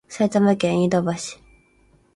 埼玉県飯田橋